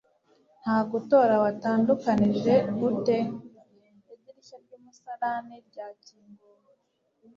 nta gutora watandukanije ute? idirishya ry'umusarani ryakinguwe